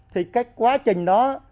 thì cái quá trình đó